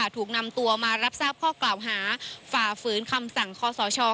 ถูกนำตัวมารับทราบข้อกล่าวหาฝ่าฝืนคำสั่งคอสช